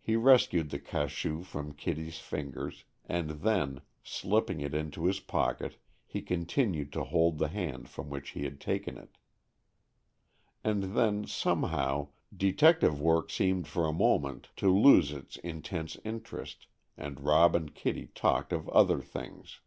He rescued the cachou from Kitty's fingers, and then, slipping it into his pocket, he continued to hold the hand from which he had taken it. And then, somehow, detective work seemed for a moment to lose its intense interest, and Rob and Kitty talked of other things.